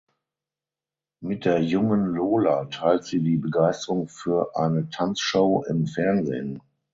Mit der jungen Lola teilt sie die Begeisterung für eine Tanzshow im Fernsehen.